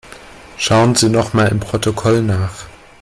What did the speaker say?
Schauen Sie nochmal im Protokoll nach.